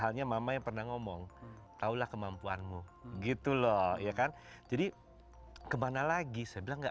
halnya mama yang pernah ngomong tahulah kemampuanmu gitu loh ya kan jadi kemana lagi saya bilang enggak